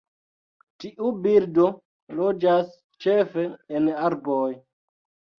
Tiu birdo loĝas ĉefe en arboj.